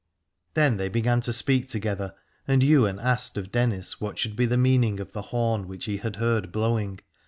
Then they began to speak together, and Ywain asked of Dennis what should be the meaning of the horn which he had heard blowing.